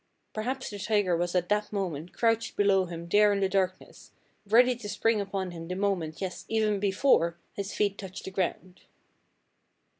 Perhaps the tiger was at that moment crouched below him there in the darkness, ready to spring upon him the moment, yes, even before, his feet touched the ground.